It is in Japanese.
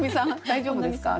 大丈夫ですか？